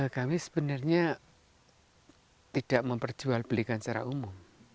kami sebenarnya tidak memperjual belikan secara umum